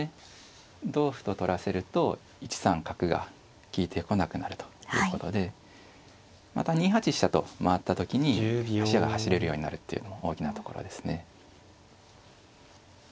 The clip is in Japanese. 同歩と取らせると１三角が利いてこなくなるということでまた２八飛車と回った時に飛車が走れるようになるっていうのも大きなところですね。